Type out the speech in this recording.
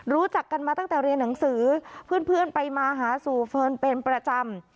รู้จักกันมาตั้งแต่เรียนหนังสือเพื่อนไปมาหาสู่เฟิร์นเป็นประจำ